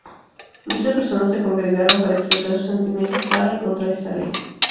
Muchas personas se congregaron para expresar sus sentimientos para y contra esta ley.